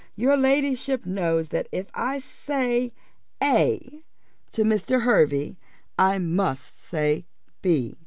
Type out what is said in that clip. Your ladyship knows that if I say a to Mr. Hervey, I must say b.